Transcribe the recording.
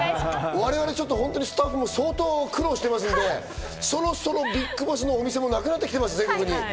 我々、本当にスタッフも相当苦労していますので、そろそろＢＩＧＢＯＳＳのお店もなくなってきています。